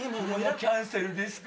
キャンセルですか？